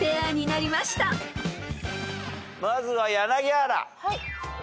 まずは柳原。